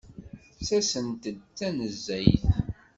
Ttasent-d tanezzayt.